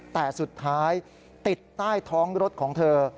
แต่สุดท้ายติดใต้ท้องรถของเธอ